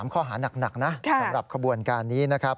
ข้อหานักนะสำหรับขบวนการนี้นะครับ